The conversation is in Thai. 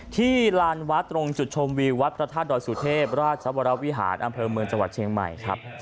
ลานวัดตรงจุดชมวิววัดพระธาตุดอยสุเทพราชวรวิหารอำเภอเมืองจังหวัดเชียงใหม่ครับ